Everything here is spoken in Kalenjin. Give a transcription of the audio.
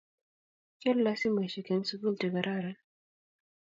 kiyalndai simoishek en sukul che kararon